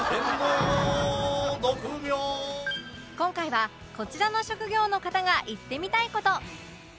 今回はこちらの職業の方が言ってみたい事